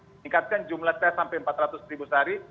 meningkatkan jumlah tes sampai empat ratus ribu sehari